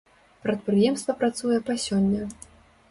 Прадпрыемства працуе па сёння.